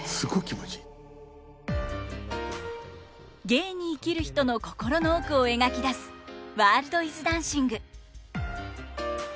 芸に生きる人の心の奥を描き出す「ワールドイズダンシング」。